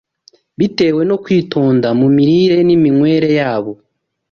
bitewe no kwitonda mu mirire n’iminywere yabo.